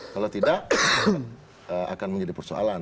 kalau tidak akan menjadi persoalan